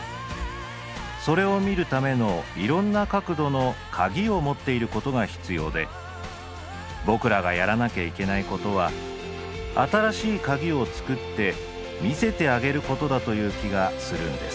それを見るためのいろんな角度の鍵を持っていることが必要で僕らがやらなきゃいけないことは新しい鍵を作って見せてあげることだという気がするんです」。